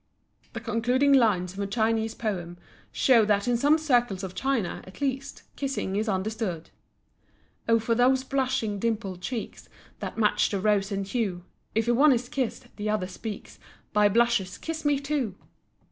The concluding lines of a Chinese poem show that in some circles of China, at least, kissing is understood: Oh for those blushing, dimpled cheeks, That match the rose in hue! If one is kissed, the other speaks, By blushes, KISS ME TOO!